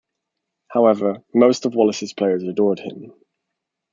However, most of Wallace's players adored him.